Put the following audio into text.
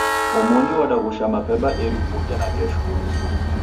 Omoni wadaghusha mapema eri uw'uke nakesho.